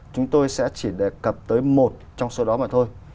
chúng tôi sẽ chỉ đề cập tới một trong số đó mà thôi